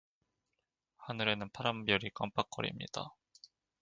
하늘에는 파란 별이 깜박거립니다.